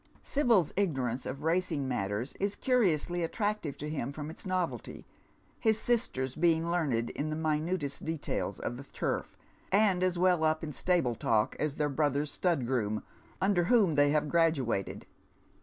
Sibyl's ignorance of racing matters is curiously attractive to him from its novelty, his sisters being learned in the minutest details of the turf, and as well up in stable talk as their brother's stud groom, under whom they have graduated.